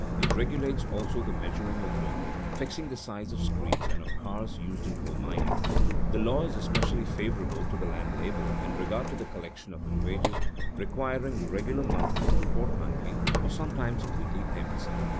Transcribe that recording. It regulates also the measuring of work, fixing the size of screens and of cars used in coal mining. The law is especially favorable to the hand laborer in regard to the collection of his wages, requiring regular monthly or fortnightly or sometimes weekly payments.